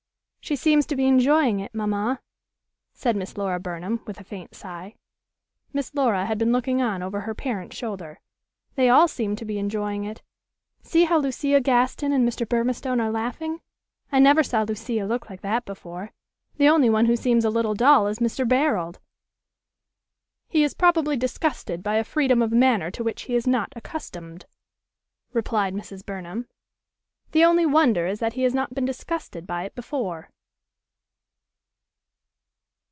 "She seems to be enjoying it, mamma," said Miss Laura Burnham, with a faint sigh. Miss Laura had been looking on over her parent's shoulder. "They all seem to be enjoying it. See how Lucia Gaston and Mr. Burmistone are laughing. I never saw Lucia look like that before. The only one who seems a little dull is Mr. Barold." "He is probably disgusted by a freedom of manner to which he is not accustomed," replied Mrs. Burnham. "The only wonder is that he has not been disgusted by it before."